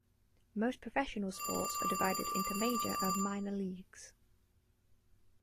Most professional sports are divided into major and minor leagues.